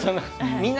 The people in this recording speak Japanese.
「みんな！